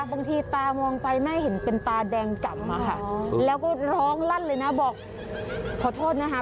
บางทีตามองไปแม่เห็นเป็นตาแดงกลับมาค่ะแล้วก็ร้องลั่นเลยนะบอกขอโทษนะคะ